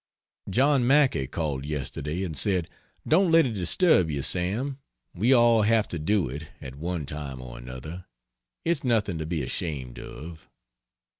John Mackay called yesterday, and said, "Don't let it disturb you, Sam we all have to do it, at one time or another; it's nothing to be ashamed of."